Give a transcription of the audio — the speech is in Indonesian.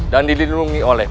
dan dilindungi oleh